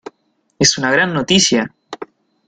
Es una gran noticia.